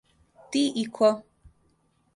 Ти и ко!